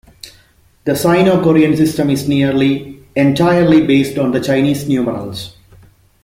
The Sino-Korean system is nearly entirely based on the Chinese numerals.